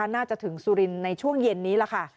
น่าจะถึงสุรินทร์ในช่วงเย็นนี้